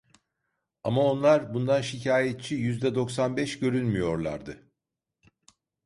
Ama onlar bundan şikayetçi yüz doksan beş görünmüyorlardı.